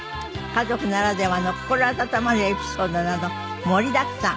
家族ならではの心温まるエピソードなど盛りだくさん。